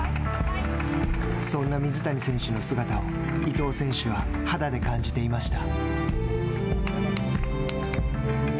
そんな水谷選手の姿を伊藤選手は肌で感じていました。